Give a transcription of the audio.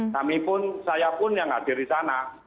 namipun saya pun yang hadir di sana